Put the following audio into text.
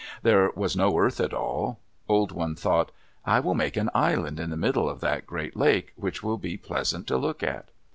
There was no earth at all. Old One thought, "I will make an island in the middle of that great lake, which will be pleasant to look at."